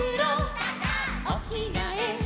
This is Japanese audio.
「おきがえ」